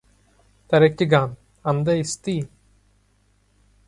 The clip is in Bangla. তার একটি গান: 'আন্দে ইস্তি?